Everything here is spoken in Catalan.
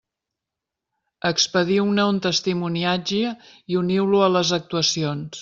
Expediu-ne un testimoniatge i uniu-lo a les actuacions.